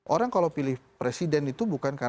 orang kalau pilih presiden itu bukan karena